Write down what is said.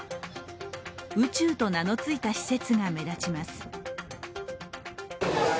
宇宙と名のついた施設が目立ちます。